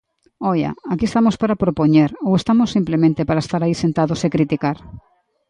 ¡Oia! aquí estamos para propoñer, ¿ou estamos simplemente para estar aí sentados e criticar?